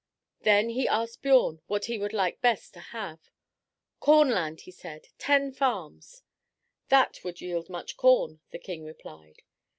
Then he asked Biorn what he would like best to have. "Corn land," he said; "ten farms." "That would yield much corn," the king replied.